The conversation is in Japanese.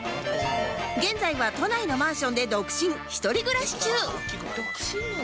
現在は都内のマンションで独身一人暮らし中